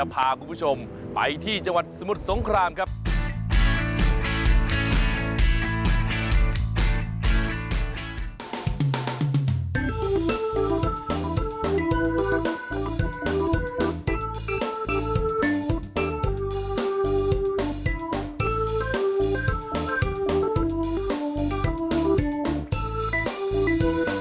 โปรดติดตามตอนต่อไป